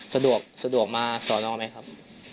สะดวกมาสอนอไหมครับ